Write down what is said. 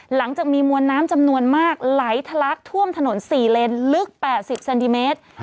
หลังจากมีมวลน้ำจำนวนมากไหลทะลักท่วมถนน๔เลนลึก๘๐เซนติเมตร